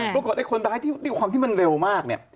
ปรากฏไอ้คนร้ายที่ความที่มันเร็วมากเนี่ย